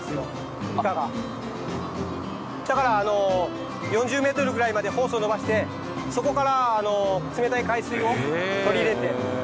だから４０メートルぐらいまでホースを延ばしてそこから冷たい海水を取り入れて生かすようにしています。